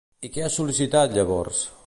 I què ha sol·licitat, llavors?